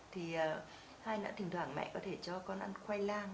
thì hay là thỉnh thoảng mẹ có thể cho con ăn khoai lang